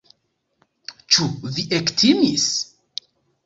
Ĉu vi ektimis?